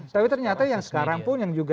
tapi ternyata yang sekarang pun yang juga